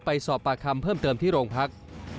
ไปสอบปากคำเพิ่มเติมที่โรงพัก